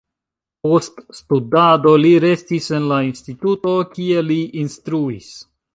Post studado li restis en la instituto, kie li instruis.